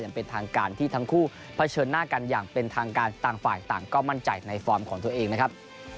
เป็นทางการที่ทั้งคู่เผชิญหน้ากันอย่างเป็นทางการต่างฝ่ายต่างก็มั่นใจในฟอร์มของตัวเองนะครับ